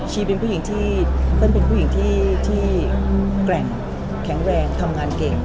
ชีวิตเป็นผู้หญิงที่แข็งแรงทำงานเก่ง